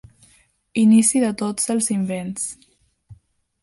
Inici de tots els invents.